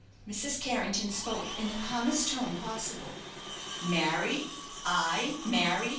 Mrs. Carrington spoke in the calmest tone possible. "Marry I marry?"